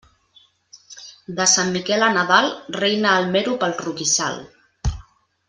De Sant Miquel a Nadal reina el mero pel roquissal.